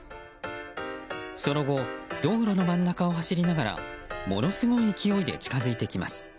その後道路の真ん中を走りながらものすごい勢いで近づいてきます。